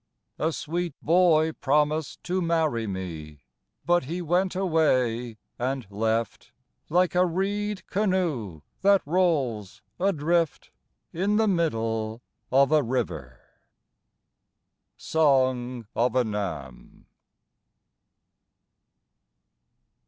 A sweet boy promised to marry me, But he went away and left Like a reed canoe that rolls adrift In the middle of a river. _Song of Annam.